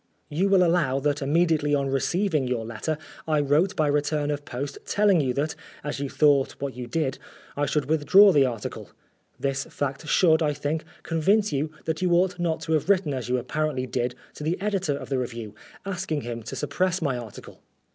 You will allow that, immediately on receiving your letter, I wrote by return of post telling you that, as you thought what you did, I should withdraw the article. This fact should, I think, convince you that you ought not to have written as you apparently did to the editor of the Review, asking him to suppress my article.